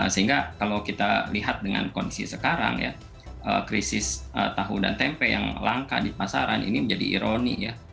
sehingga kalau kita lihat dengan kondisi sekarang ya krisis tahu dan tempe yang langka di pasaran ini menjadi ironi ya